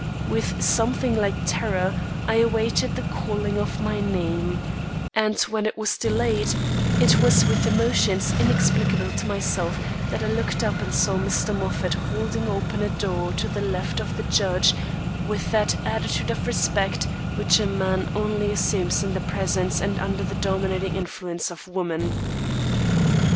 With something like terror, I awaited the calling of my name; and, when it was delayed, it was with emotions inexplicable to myself that I looked up and saw Mr. Moffat holding open a door at the left of the judge, with that attitude of respect, which a man only assumes in the presence and under the dominating influence of woman.